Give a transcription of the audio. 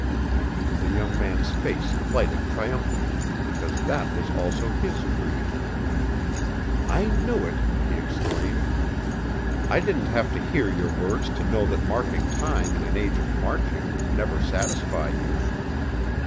The young man's face lighted triumphantly, because that was also his creed. "I knew it!" he exclaimed. "I didn't have to hear your words to know that marking time in an age of marching would never satisfy you."